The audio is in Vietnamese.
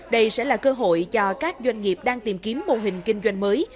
đây sẽ là cơ hội cho các doanh nghiệp đang tìm kiếm mô hình kinh doanh mới